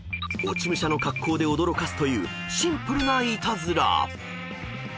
［落ち武者の格好で驚かすというシンプルなイタズラ］